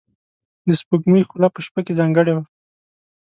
د سپوږمۍ ښکلا په شپه کې ځانګړې وه.